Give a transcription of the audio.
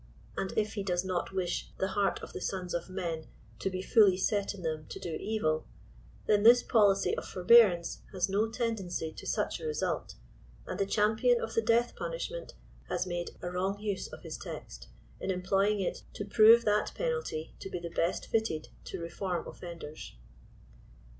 — and if he does not wish *» the heart of the sons of men" to be "fully set in them to do evil," then this policy of forbearance has no tendency to such a result, and the champion of the death punish ment has made a wrong use of his text, in employing it to prove that penalty to be the best fitted to reform offenders.